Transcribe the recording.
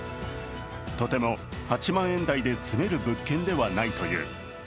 とても８万円台で住める物件ではないという。